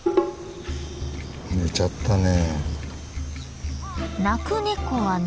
寝ちゃったね。